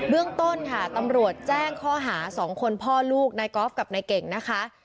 เรื่องต้นค่ะตำรวจแจ้งข้อหา๒คนพ่อลูกนายกอล์ฟกับนายเก่งนะคะ